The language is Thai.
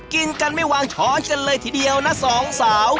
กินกันไม่วางช้อนกันเลยทีเดียวนะสองสาว